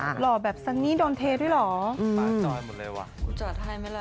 หล่อแบบสันนี่โดนเทด้วยเหรอ